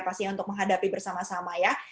pastinya untuk menghadapi bersama sama ya